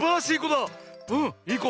うんいいこ。